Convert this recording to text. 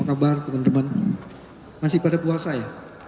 kabar teman teman masih pada puasa ya